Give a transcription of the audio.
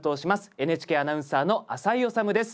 ＮＨＫアナウンサーの浅井理です。